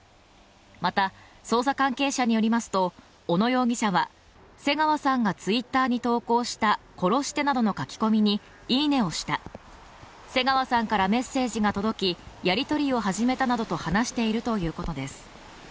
また、捜査関係者によりますと小野容疑者は瀬川さんがＴｗｉｔｔｅｒに投降した「殺して」などの書き込みに、いいねをした、瀬川さんからメッセージが届きやり取りを始めたなどと話しているということです。